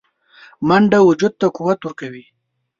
منډه وجود ته قوت ورکوي